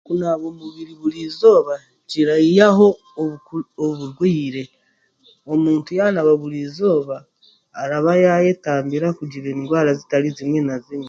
Kunaaba omubiri buri eizooba kiraihaho obugwire, omuntu yaanaba buri eizooba araayayetambira kugira zimwe na zimwe.